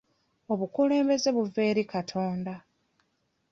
Obukulembeze buva eri Katonda.